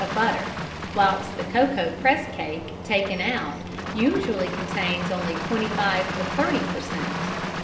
of butter, whilst the cocoa press cake taken out usually contains only 25 to 30 per cent.